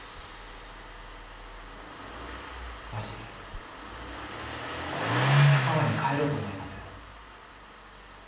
わし佐川に帰ろうと思います。